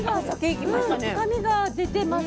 深みが出てます。